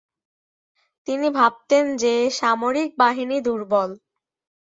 তিনি ভাবতেন যে তাদের সামরিক বাহিনী দুর্বল।